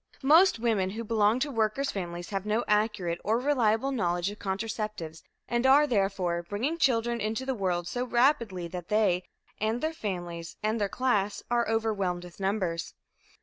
Most women who belong to the workers' families have no accurate or reliable knowledge of contraceptives, and are, therefore, bringing children into the world so rapidly that they, their families and their class are overwhelmed with numbers.